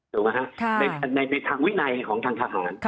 ถูกไหมครับในทางวินัยของทางทหาร